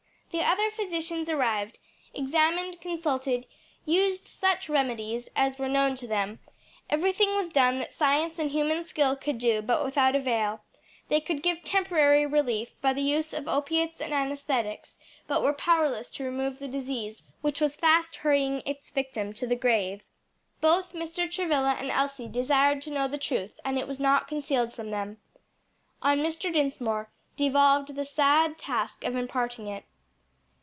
The other physicians arrived, examined, consulted, used such remedies as were known to them; everything was done that science and human skill could do, but without avail; they could give temporary relief by the use of opiates and anæsthetics, but were powerless to remove the disease which was fast hurrying its victim to the grave. Both Mr. Travilla and Elsie desired to know the truth, and it was not concealed from them. On Mr. Dinsmore devolved the sad task of imparting it.